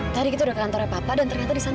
tadi kita udah ke kantornya papa dan tenetya di sana